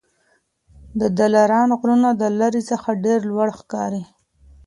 د دلارام غرونه د لیري څخه ډېر لوړ ښکاري